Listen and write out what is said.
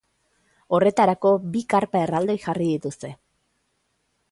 Horretarako bi karpa erraldoi jarri dituzte.